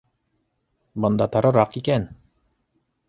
— Бында тарыраҡ икән